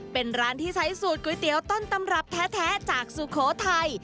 เป็นร้านที่ใช้สูตรก๋วยเตี๋ยวต้นตำรับแท้จากสุโขทัย